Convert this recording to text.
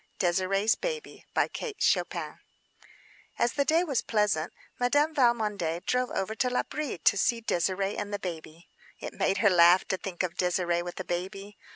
DÉSIRÉE'S BABY As the day was pleasant, Madame Valmondé drove over to L'Abri to see Désirée and the baby. It made her laugh to think of Désirée with a baby.